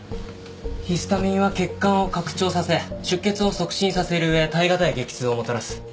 ヒスタミンは血管を拡張させ出血を促進させる上耐え難い激痛をもたらす。